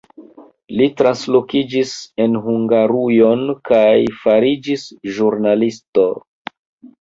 Li translokiĝis en Hungarujon kaj fariĝis ĵurnalisto.